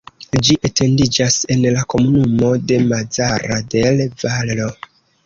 Ĝi etendiĝas en la komunumo de Mazara del Vallo.